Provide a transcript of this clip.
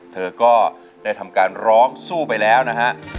เธอก็ได้ทำการร้องสู้ไปแล้วนะฮะ